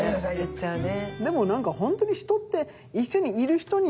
言っちゃうね。